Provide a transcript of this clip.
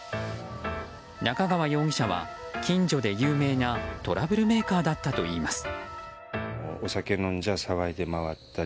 中川容疑者は近所で有名なトラブルメーカーだったといいます。